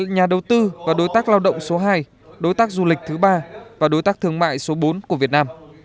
nhà đầu tư và đối tác lao động số hai đối tác du lịch thứ ba và đối tác thương mại số bốn của việt nam